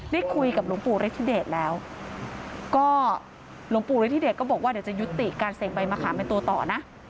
ได้คุยกับหลวงปู่ฤทธิเดชแล้วก็หลวงปู่ฤทธิเดชก็บอกว่าเดี๋ยวจะยุติการเสกใบมะขามเป็นตัวต่อนะ